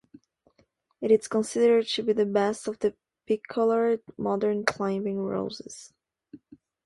It is considered to be the best of the bicolored modern climbing roses.